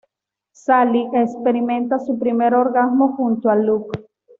Sally experimenta su primer orgasmo junto a Luke.